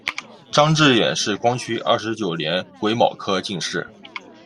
张智远是光绪二十九年癸卯科进士。